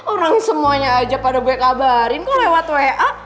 orang semuanya aja pada gue kabarin kok lewat wa